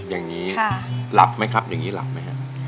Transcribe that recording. อย่างนี้หลับไหมครับหลับไหมครับ